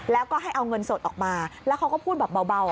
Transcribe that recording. แล้วก็ให้เอาเงินสดออกมาแล้วเขาก็พูดแบบเบา